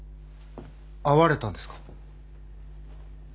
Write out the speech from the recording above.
会われたんですか？